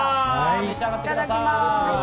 いただきます。